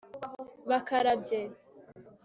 bakarabye